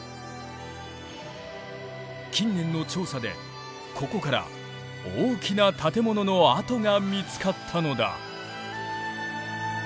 近年の調査でここから大きな建物の跡が見つかったのだ。